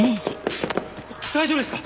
大丈夫ですか？